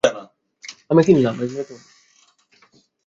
মহানিদ্রায় নিদ্রিত শব যেন জাগ্রত হইতেছে।